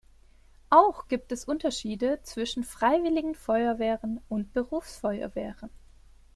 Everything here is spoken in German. Auch gibt es Unterschiede zwischen Freiwilligen Feuerwehren und Berufsfeuerwehren.